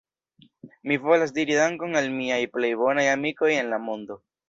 Mi volas diri Dankon al miaj plej bonaj amikoj en la mondo